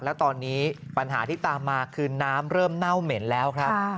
แล้วตอนนี้ปัญหาที่ตามมาคือน้ำเริ่มเน่าเหม็นแล้วครับ